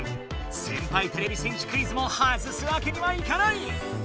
先輩てれび戦士クイズもはずすわけにはいかない！